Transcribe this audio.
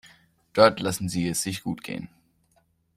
Dort lassen sie es sich gut gehen.